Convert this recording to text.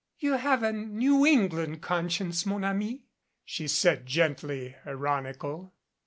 "You have a New England conscience, mon ami" she said, gently ironical.